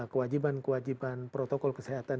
kewajiban kewajiban protokol kesehatan